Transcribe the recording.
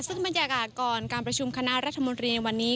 ซึ่งบรรยากาศก่อนการประชุมคณะรัฐมนตรีในวันนี้